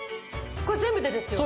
これ全部でですよね？